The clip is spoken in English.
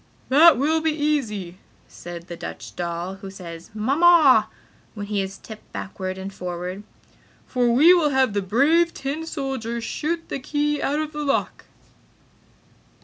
"That will be easy!" said the Dutch doll who says "Mamma" when he is tipped backward and forward, "For we will have the brave tin soldier shoot the key out of the lock!"